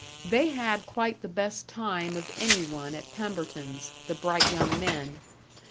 They had quite the best time of any one at Pemberton's, the bright young men.